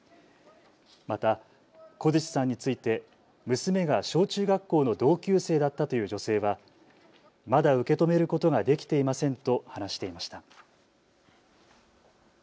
また小槌さんについて娘が小中学校の同級生だったという女性はまだ受け止めることができていませんと話していました。